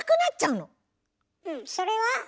うんそれは？